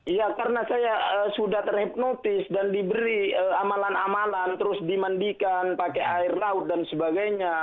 iya karena saya sudah terhipnotis dan diberi amalan amalan terus dimandikan pakai air laut dan sebagainya